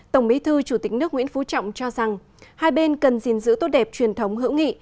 tổng bí thư chủ tịch nước nguyễn phú trọng cho rằng hai bên cần gìn giữ tốt đẹp truyền thống hữu nghị